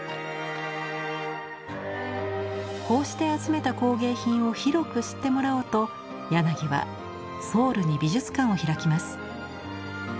こうして集めた工芸品を広く知ってもらおうと柳はソウルに美術館を開きます。